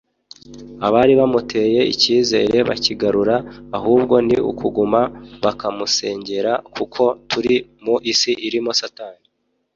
“Abari bamuteye icyizere bakigarura ahubwo ni ukuguma bakamusengera kuko turi mu isi irimo satani